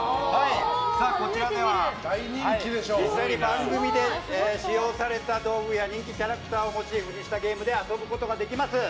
こちらでは実際に番組で使用された道具や人気キャラクターをモチーフにしたゲームで遊ぶことができます。